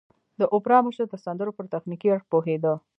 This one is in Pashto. د اوپرا مشر د سندرو پر تخنيکي اړخ پوهېده.